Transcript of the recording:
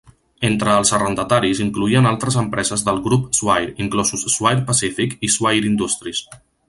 Entre els arrendataris incloïen altres empreses del grup Swire, incloses Swire Pacific i Swire Industries.